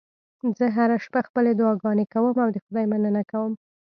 زه هره شپه خپلې دعاګانې کوم او د خدای مننه کوم